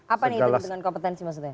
apa nih itu dengan kompetensi maksudnya